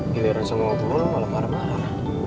bila urusan ngomong apa lu lu malah marah marah